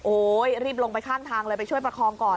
รีบลงไปข้างทางเลยไปช่วยประคองก่อน